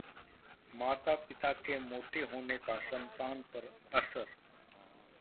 माता-पिता के मोटे होने का संतान पर असर